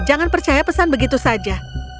jangan percaya pesan begitu saja